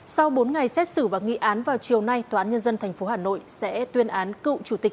sau bốn ngày xét xử và nghị án vào chiều nay tòa án nhân dân tp hà nội sẽ tuyên án cựu chủ tịch